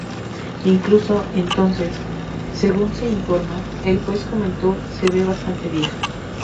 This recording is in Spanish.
Incluso entonces, según se informa, el juez comentó "Se ve bastante vieja.